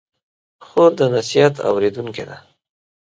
خور د نصیحت اورېدونکې ده.